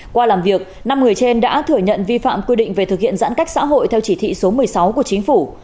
qua làm việc năm người trên đã thừa nhận vi phạm quy định về thực hiện giãn cách xã hội theo chỉ thị số một mươi sáu của chính phủ